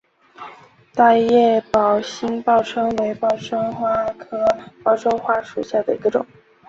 大叶宝兴报春为报春花科报春花属下的一个种。